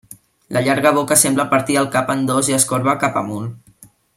La llarga boca sembla partir el cap en dos i es corba cap amunt.